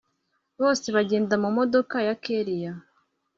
bose bagenda mumodoka ya kellia